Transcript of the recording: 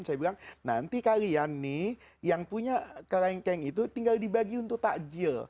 saya bilang nanti kalian nih yang punya kelengkeng itu tinggal dibagi untuk takjil